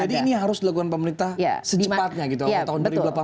jadi ini harus dilakukan pemerintah secepatnya gitu tahun dua ribu delapan belas